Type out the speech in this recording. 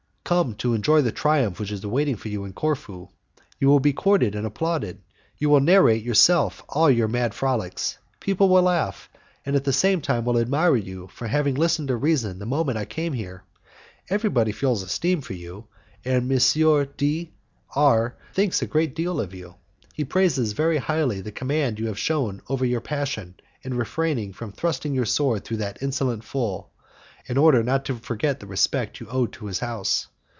Come to enjoy the triumph which is awaiting you in Corfu. You will be courted and applauded. You will narrate yourself all your mad frolics, people will laugh, and at the same time will admire you for having listened to reason the moment I came here. Everybody feels esteem for you, and M. D R thinks a great deal of you. He praises very highly the command you have shewn over your passion in refraining from thrusting your sword through that insolent fool, in order not to forget the respect you owed to his house.